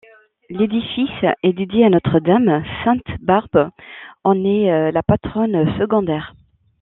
L'édifice est dédié à Notre-Dame, sainte Barbe en est la patronne secondaire.